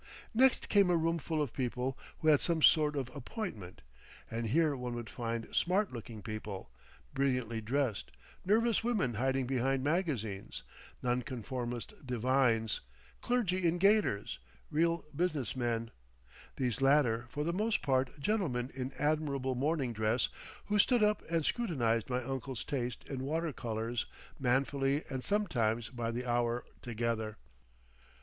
Next came a room full of people who had some sort of appointment, and here one would find smart looking people, brilliantly dressed, nervous women hiding behind magazines, nonconformist divines, clergy in gaiters, real business men, these latter for the most part gentlemen in admirable morning dress who stood up and scrutinised my uncle's taste in water colours manfully and sometimes by the hour together.